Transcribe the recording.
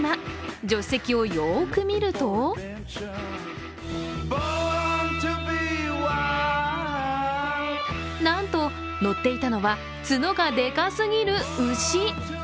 助手席をよく見るとなんと、乗っていたのは角がでかすぎる牛。